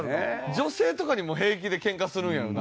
女性とかにも平気でケンカするんやろうな。